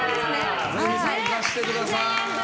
ぜひ参加してください。